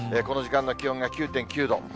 この時間の気温が９．９度。